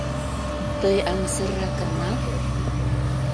Тый аҥысырракын нал.